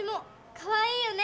かわいいよね！